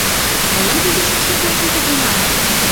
«Молан тиде шӱкшӧ пӧртым тыге маныт?»